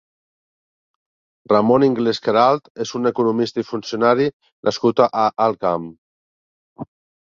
Ramón Inglés Queralt és un economista i funcionari nascut a Alt Camp.